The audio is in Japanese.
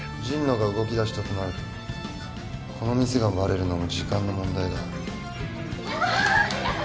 神野が動きだしたとなるとこの店がバレるのも時間の問題だ。